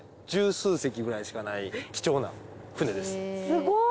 すごーい！